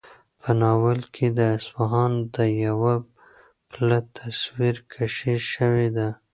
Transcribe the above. په ناول کې د اصفهان د یوه پله تصویرکشي شوې ده.